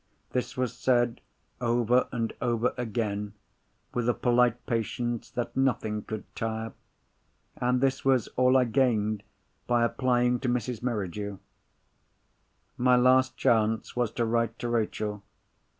This was said over and over again, with a polite patience that nothing could tire; and this was all I gained by applying to Mrs. Merridew. My last chance was to write to Rachel.